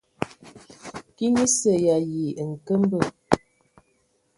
Kiŋ esə y ayi nkəmbə.